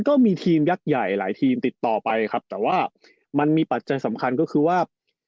ก็มีทีมยักษ์ใหญ่หลายทีมติดต่อไปครับแต่ว่ามันมีปัจจัยสำคัญก็คือว่า